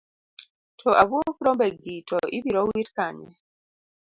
To abuog rombegi to ibiro wit kanye?